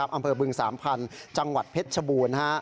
อำเภอบึงสามพันธุ์จังหวัดเพชรชบูรณ์